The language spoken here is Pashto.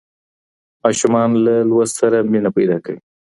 ماشومان له لوست سره مینه پیدا کوي.